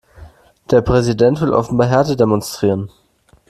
Der Präsident will offenbar Härte demonstrieren.